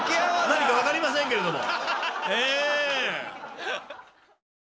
何か分かりませんけれども。